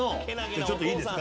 ちょっといいですか？